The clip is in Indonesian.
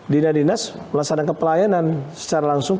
dinas dinas melaksanakan pelayanan secara langsung